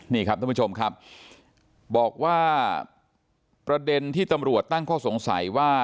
นี่ครับท่านผู้ชมครับบอกว่าประเด็นที่ตำรวจตั้งข้อสงสัยว่า